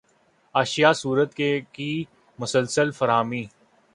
اشیائے ضرورت کی مسلسل فراہمی